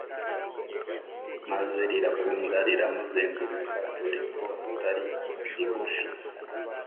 maze rirakunda rirabuzenguruka dore ko atari rigufi.